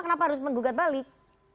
kenapa harus menggugat balik